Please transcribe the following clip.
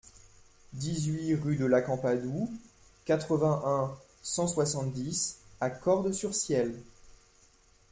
dix-huit rue de l'Acampadou, quatre-vingt-un, cent soixante-dix à Cordes-sur-Ciel